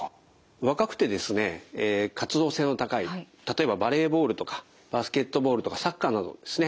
若くてですね活動性の高い例えばバレーボールとかバスケットボールとかサッカーなどのですね